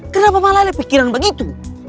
kenapa malah ada pikiran begitu